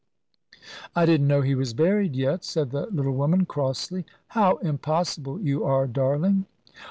"I didn't know he was buried yet," said the little woman, crossly. "How impossible you are, darling!"